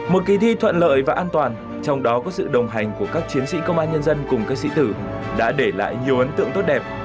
một kỳ thi thuận lợi và an toàn trong đó có sự đồng hành của các chiến sĩ công an nhân dân cùng các sĩ tử đã để lại nhiều ấn tượng tốt đẹp